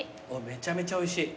めちゃめちゃおいしい。